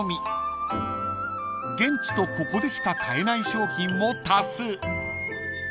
［現地とここでしか買えない商品も多数］